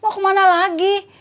mau kemana lagi